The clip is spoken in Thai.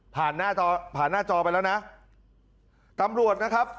หน้าจอผ่านหน้าจอไปแล้วนะตำรวจนะครับ